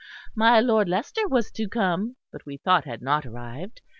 My Lord Leicester was to come, but we thought had not arrived.